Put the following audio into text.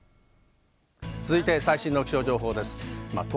続いて最新の気象情報です。